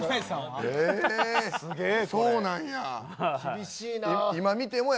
そうなんや。